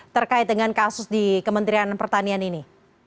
terkait dengan kasus di kementerian pertanian ini